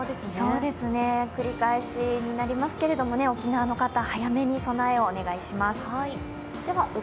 繰り返しになりますけれども、沖縄の方、早めに備えをお願いします。